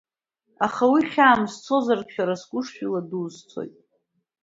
Аха уи хьаам, сцозаргьы шәара сгәы шшәыладуу сцоит.